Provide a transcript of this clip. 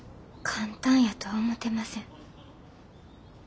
簡単やとは思てません。